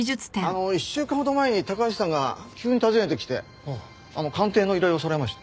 あの１週間ほど前に高橋さんが急に訪ねてきて鑑定の依頼をされました。